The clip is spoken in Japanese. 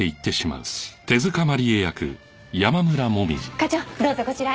課長どうぞこちらへ。